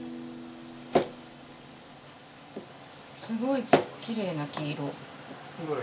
すごいきれいな黄色。どれ？